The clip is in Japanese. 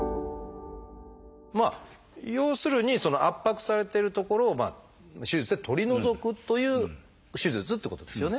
要するにその圧迫されてる所を手術で取り除くという手術ってことですよね。